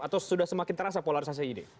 atau sudah semakin terasa polarisasi ini